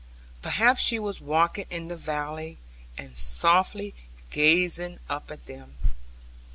Perhaps she was walking in the valley, and softly gazing up at them.